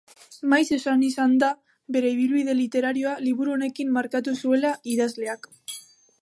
Maiz esan izan da bere ibilbide literarioa liburu honekin markatu zuela idazleak.